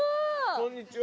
こんにちは。